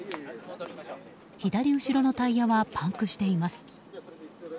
左後ろのタイヤはパンクしています。